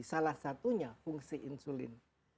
salah satunya fungsi insulin